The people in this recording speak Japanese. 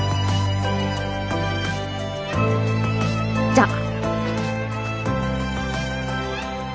じゃあ。